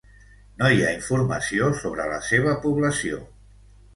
No hi ha informació sobre la seva població.